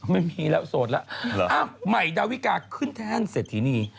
ไม่มีแล้วโสดแล้วอ้าวใหม่ดาวิกาขึ้นแทนเสร็จทีนี้